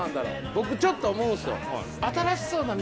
僕ちょっと思うんですよ。